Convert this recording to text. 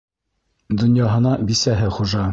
Донъяһына бисәһе хужа.